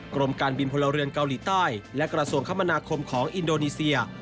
กรมการบินพลเรือนเกาหลีใต้และกระทรวงคมนาคมของอินโดนีเซีย